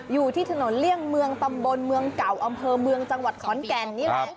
อยู่ที่ถนนเลี่ยงเมืองตำบลเมืองเก่าอำเภอเมืองจังหวัดขอนแก่นนี่แหละ